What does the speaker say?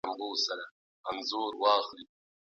ایا کورني سوداګر کاغذي بادام ساتي؟